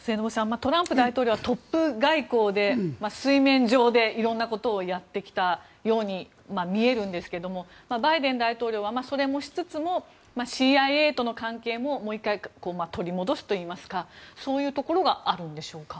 トランプ大統領はトップ外交で水面上で色んなことをやってきたように見えるんですけれどバイデン大統領はそれもしつつもＣＩＡとの関係ももう１回、取り戻すといいますかそういうところがあるんでしょうか？